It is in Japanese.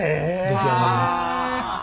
出来上がります。